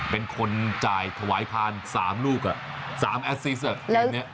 เป็นคนจ่ายถวายพาน๓ลูก๓แอสซิสเกมนี้